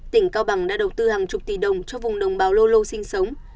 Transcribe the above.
tỉnh cao bằng đã đầu tư hàng chục tỷ đồng cho vùng đồng bào lô lô sinh sống